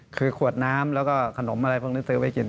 คือขวดน้ำแล้วก็ขนมอะไรพวกนี้ซื้อไว้กิน